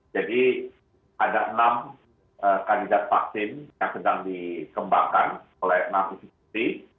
jadi ada enam kandidat vaksin yang sedang dikembangkan oleh enam institusi